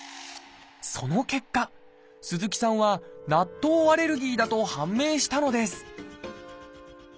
その結果鈴木さんは納豆アレルギーだと判明したのです